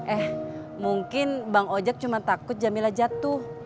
eh mungkin bang ojek cuma takut jamila jatuh